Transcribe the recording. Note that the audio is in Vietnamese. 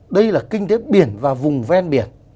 đây là kinh tế biển và vùng ven biển